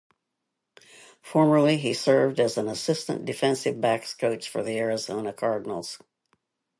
Formerly he served as an assistant defensive backs coach for the Arizona Cardinals.